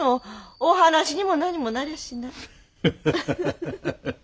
お話にも何もなりゃしない。